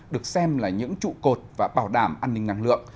được xem là những trụ cột và bảo đảm an ninh năng lượng